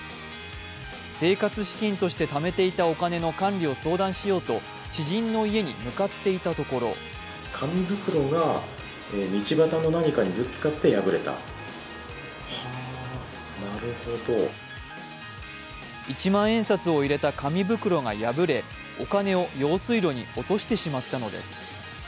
生活資金としてためていたお金の管理を相談しようと知人の家に向かっていたところ一万円札を入れた紙袋が破れ、お金を用水路に落としてしまったのです。